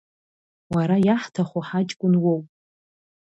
Уара иаҳҭаху ҳаҷкәын уоуп.